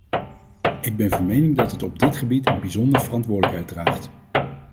Ik ben van mening dat het op dit gebied een bijzondere verantwoordelijkheid draagt.